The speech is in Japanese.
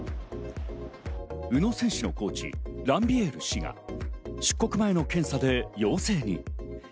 宇野選手のコーチ、ランビエール氏が出国前の検査で陽性に。